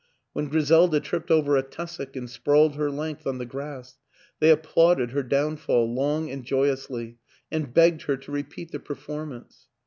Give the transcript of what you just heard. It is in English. When Griselda tripped over a tussock and sprawled her length on the grass, they applauded her downfall long and joyously and begged her to repeat the performance.